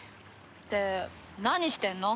って何してるの？